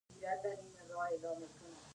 استعاره هغه مجاز دئ، چي علاقه ئې تشبېه يي.